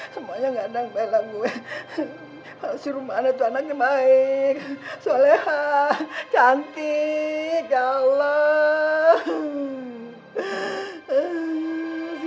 semuanya ngandang belakang gue masih rumahnya tuhan lagi baik soleh cantik allah